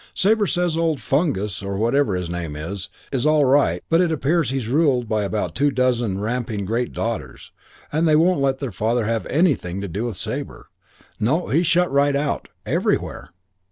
Sabre says old Fungus, or whatever his name is, is all right, but it appears he's ruled by about two dozen ramping great daughters, and they won't let their father have anything to do with Sabre. No, he's shut right out, everywhere.